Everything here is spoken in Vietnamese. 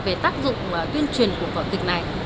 về tác dụng tuyên truyền của vợ kịch này